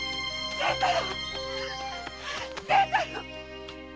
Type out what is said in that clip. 清太郎。